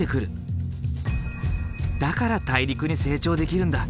だから大陸に成長できるんだ。